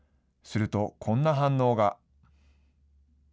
するとこんな反応が。